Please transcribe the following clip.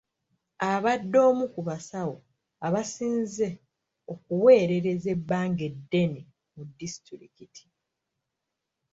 Abadde omu ku basawo abasinze okuweererezza ebbanga eddene mu disitulikiti.